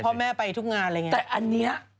พ่อแม่ไปทุกงานอะไรอย่างเงี้แต่อันเนี้ย